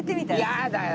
「やだよ！」